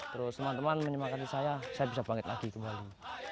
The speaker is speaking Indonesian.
terus teman teman menyepakati saya saya bisa bangkit lagi kembali